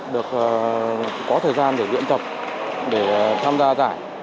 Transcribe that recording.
được có thời gian để luyện tập để tham gia giải